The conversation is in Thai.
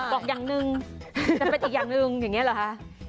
บอกอย่างหนึ่งจะเป็นอีกอย่างหนึ่งอย่างนี้เหรอคะ